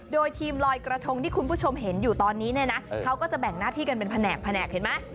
โดยทีมลอยกระทงที่คุณผู้ชมเห็นอยู่ตอนนี้เนี่ยนะเขาก็จะแบ่งหน้าที่กันเป็นแผนกแผนกเห็นไหม